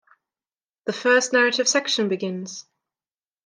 The first narrative section begins.